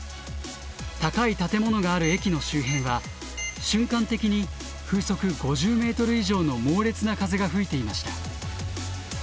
高い建物がある駅の周辺は瞬間的に風速５０ｍ以上の猛烈な風が吹いていました。